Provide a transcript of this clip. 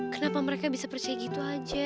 kenapa mereka bisa percaya gitu aja